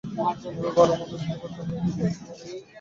বিভা ভালোমানুষ, তাই কাহাকেও কিছু বলে না, আপনার মনে লুকাইয়া কাঁদে।